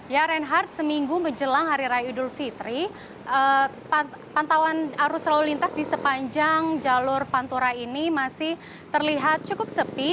ya reinhardt seminggu menjelang hari raya idul fitri pantauan arus lalu lintas di sepanjang jalur pantura ini masih terlihat cukup sepi